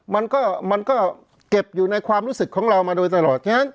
มันก็เก็บอยู่ในความรู้สึกของเรามาโดยตลอด